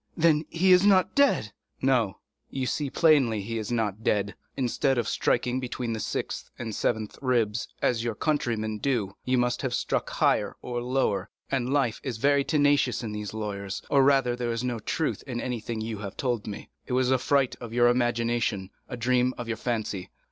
"Then he is not dead?" 30213m "No; you see plainly he is not dead. Instead of striking between the sixth and seventh left ribs, as your countrymen do, you must have struck higher or lower, and life is very tenacious in these lawyers, or rather there is no truth in anything you have told me—it was a fright of the imagination, a dream of your fancy.